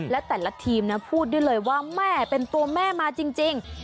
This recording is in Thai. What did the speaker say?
และแต่ละทีมนะพูดได้เลยว่าแม่เป็นตัวแม่มาจริง